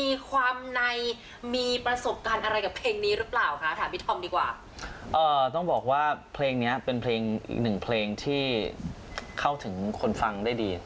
เท่านานมันสำเร็จถึงคนฟัง